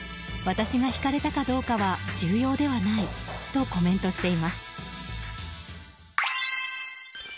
私がひかれたかどうかは重要ではないとコメントしています。